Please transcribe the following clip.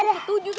tujuh sama cungki